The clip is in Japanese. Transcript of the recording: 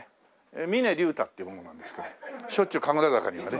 峰竜太っていう者なんですけどしょっちゅう神楽坂にはね。